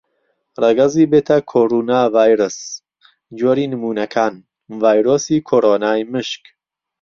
ڕەگەزی بێتاکۆڕوناڤایرەس: جۆری نموونەکان: ڤایرۆسی کۆڕۆنای مشک.